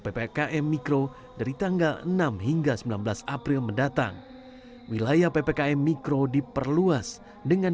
ppkm mikro dari tanggal enam hingga sembilan belas april mendatang wilayah ppkm mikro diperluas dengan